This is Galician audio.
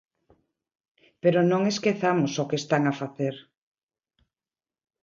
Pero non esquezamos o que están a facer.